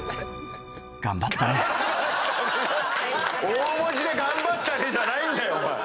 俺⁉大文字で「頑張ったね」じゃないんだよ！